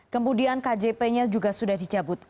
kemudian kjp nya juga sudah dicabut